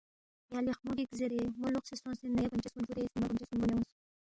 یا لیخمو گِک زیرے مو لوقسے سونگسے نیا گونچس کُن فُودے سنِنگمہ گونچس کُن گونے اونگس